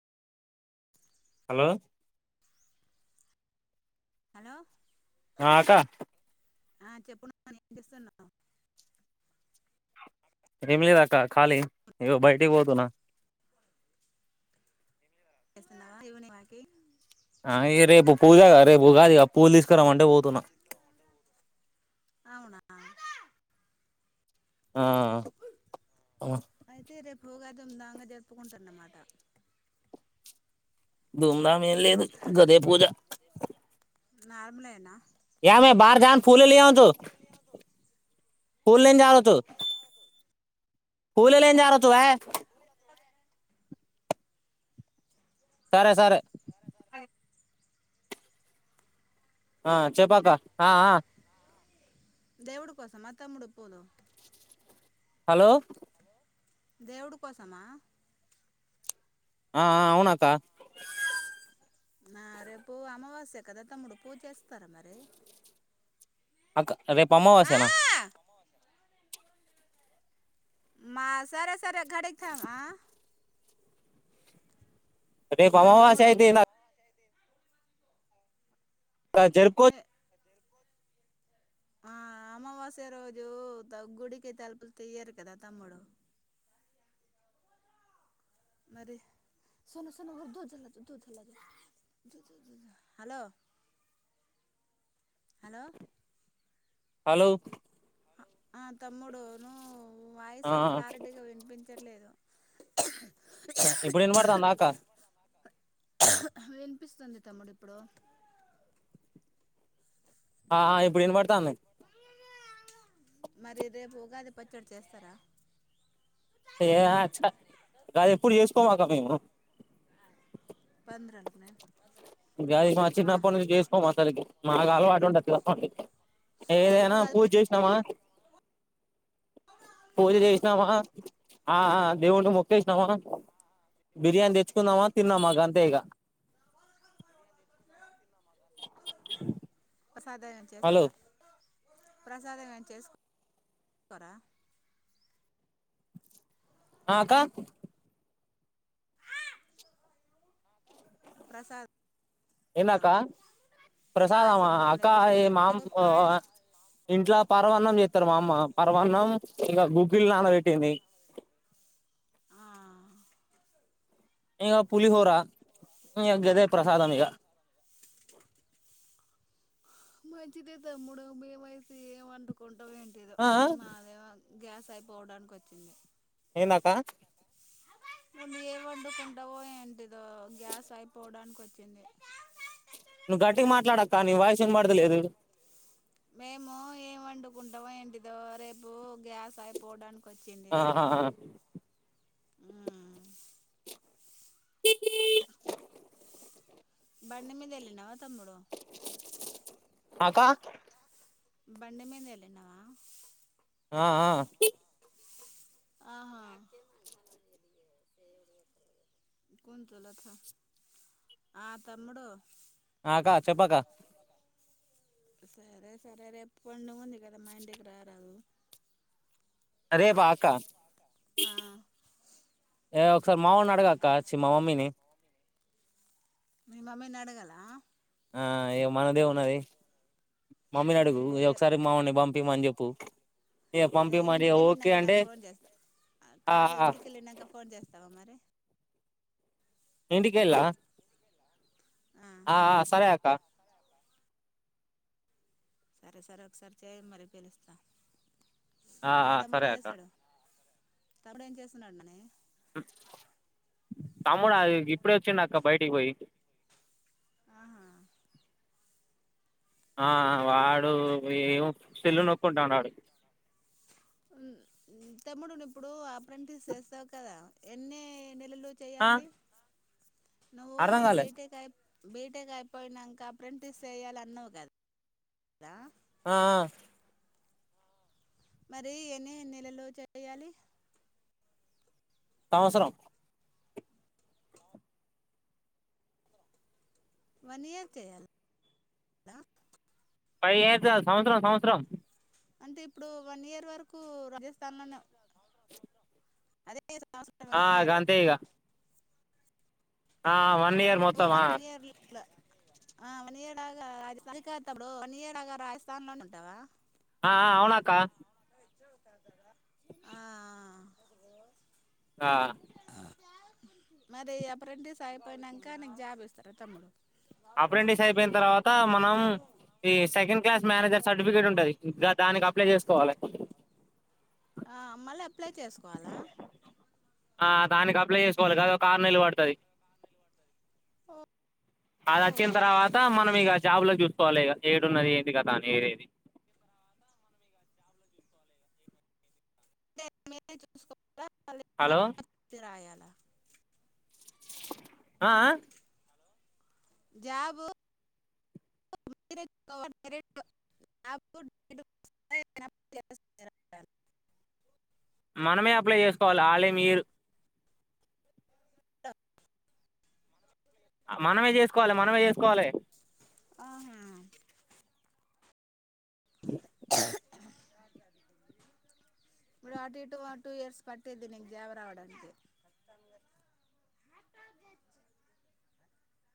Hello hello ఆకా ఆ చెప్పు నాని ఏం చేస్తున్నావ్ ఏంలేదు ఆక్క ఖాళీ ఇగో బయటికి వోతునా చేస్తున్నావ ఈవెనింగ్ వాకింగ్ అ రేపు పూజ గా రేపు ఉగాది ఇగ పూలు తీసుకురామంటే పోతున్నా అవునా ఆ అయితే రేపు ఉగాది దూందాంగ జరుపుకుంటాన్నమాట ధూమ్ ధామ్ ఏం లేదు గదే పూజ నార్మలేనా [unintelligible] [unintelligible] సరే సరే ఆ చెప్పు అక్క ఆ ఆ దేవుడు కోసమా ఆ తమ్ముడు పూలు హలో దేవుడు కోసమా ఆ ఆ అవును అక్క నా రేపు అమావాస్య కదా తమ్ముడు పూజ చేస్తారా మరి అక్క రేపు ఆ అమావాస్య నా మా సరే సరే [unintelligible] ఆ రేపు హలో అమావాస్య తమ్ముడు అయితే ఏందీ అక్ ఆ జరుపూ ఏ ఆ అమావాస్య రోజు గుడికి తలుపులు తీయ్యరు కదా తమ్ముడు మరి హలో హలో హలో ఆ తమ్ముడు నువ్ ఆ వాయిస్ క్లారిటీగా వినిపించ వినిపించట్లేదు ఇప్పుడు వినబడతందా అక్క వినిపిస్తుంది తమ్ముడు ఇప్పుడు హా ఇప్పుడు వినబడతంది మరి రేపు ఉగాది పచ్చడి చేస్తారా ఉగాది ఎప్పుడు చేసుకోము అక్క మేము [inaudible] ఉగాది మా చిన్నప్పటి నుంచి చేసుకోము అసరికి మాకు అలవాటు ఉండదు ఏదేనా ఉగాది పూజ చేసినమా పూజ చేసామా ఆ దేవుని మొక్కేసినామా బిర్యానీ తెచ్చుకుందామా తిన్నామా గంతే ఇగా ప్రసాదం హలో చేస్తారా ప్రసాదం ఎం చేసుకోరా అక్కా ప్రసాదం ఎందక్క ప్రసాదమా పాయసము అక్క లేకుండా ఏ ఏమైనా మామ్ పాయసం ఇంట్లో పా పరవాన్నం చేస్తారు మా అమ్మ పరవాన్నం ఇంకా గుగ్గిళ్ళు నానబెట్టింది. ఆ ఇంక పులిహోర ఇ గదే ప్రసాదం మీగ మంచిది తమ్ముడు మేం అయితే వండుకుంట ఆ ఆ గ్యాస్ అయిపోవడానికి వచ్చింది. ఎందక్క ఏ వండుకుంటావో ఏంటిదో గ్యాస్ అయిపోవడనికి వచ్చి వచ్చింది నువ్వు గట్టిగా మాట్లాడక్క నీ వాయిస్ వినబడతలేదు మేము ఏం వండుకుంటాం ఏంటిదో రేపు గ్యాస్ అయిపోవడానికి వచ్చింది. ఆ ఆ మ్మ్ బండీ మీద వెళ్ళినవా తమ్ముడు అక్కా బండి మీదా ఎల్లినవ ఆ ఆ ఆ అదే ఆ తమ్ముడు ఆ అక్క చెప్పక సరే సరే రేపు పండుగా ఉంది కదా మా ఇంటికి రార రేప అక్క ఆ ఏ ఒకసారి మామ నీ అడుగు అక్క చి మా మమ్మీని మ మమ్మీని అడగాల ఆ ఇ మనదే ఉన్నది మమ్మీని మరి అడుగు రేపు ఒకసారి మామల్ని పంపియా అని చెప్పు ఏ పంపిమంట ఇంటికి ఓకే వెళ్ళినాక అంట నాకు ఫోన్ చేస్తా కాదు ఇంటికెళ్ళినక ఫోన్ చేస్తావా మరి ఇంటిికలా ఆ సరే అక్క సరే సరే ఒకసారి చేయి మరి పిలుస్తా ఆ మా ఆ తమ్ముడు సరే ఏం అక్క చేస్తాడు తమ్ముడు ఏం చేస్తున్నాడు మని తమ్ముడా అది ఇప్పుడే వచ్చిండ అక్క బయటికి పోయి ఆహా ఆ వాడు ఏమో సెల్లు నొక్కుకుంటాడు మ్ మ్ తమ్ముడు ఇప్పుడు ఆప్రాంటిస్ చేస్తావు కదా ఎన్ని నెలలో ఆ చెయ్యాలి నువ్ అర్థం కాలే బీటెక్ అయ్ బీటెక్ అయిపోయినంక అప్రాంటిస్ చేయాలి అన్నావు కదా ఆ మరి ఎన్ని నెలలు చేయాలి సంవత్సరం వన్ ఇయర్ చేయాల పై ఏద సంవత్సరం సంవత్సరం అంటే ఇప్పుడు వన్ ఇయర్ వరకు రాజస్థాన్ లోనే ఉండాల [unintelligible] వన్ ఆ ఇయర్ గంతే ఇగ ఆ వన్ ఇయర్ మొత్తమా ఆ వన్ ఇయర్ దాకా రాజస్థాన్ అది కాద్ తమ్ముడు వన్ ఇయర్ దాకా రాజస్థాన్ లోనే ఉంటావా ఆ అవునక్కా ఆ ఆ మరి అప్రెంటస్ అయిపోయినంక నీకు జాబ్ ఇస్తారు తమ్ముడు ఆప్రెండస్ అయిపోయిన తర్వాత మనం ఈ సెకండ్ క్లాస్ మేనేజర్ సర్టిఫికేట్ ఉంటది ఇ దానికి అప్లై చేసుకోవాలే ఆ మళ్ళీ అప్లై చేసుకోవాలా ఆ దానికి అప్లై చేసుకోవాలి గది ఒక ఆరు నెల పడుతది అది ఓ వచ్చిన తర్వాత మనం ఇగ జాబులా చూసుకోవాలి ఇగ ఏడున్నది ఏంది కదా అని ఏరేది మేమే చూసుకోలా హలో [unintelligible] రాయాలి ఆ ఆ జాబు [unintelligible] [unintelligible] రాయాల మనమే అప్లై చేసుకోవాలి ఆలే మీరు టప్ మనమే చేసుకోవాలి మనమే చేసుకోవాలే ఆహా ఇప్పుడు ఆ టూ ఇటూ టూ ఇయర్స్ పట్టేది నీకు జేబ రావడానికి అంది